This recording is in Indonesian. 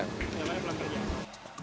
tiap hari pulang kerja